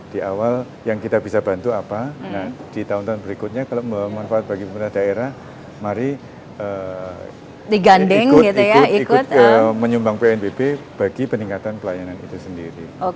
di awal yang kita bisa bantu apa nah di tahun tahun berikutnya kalau membawa manfaat bagi pemerintah daerah mari ikut ikut menyumbang pnbp bagi peningkatan pelayanan itu sendiri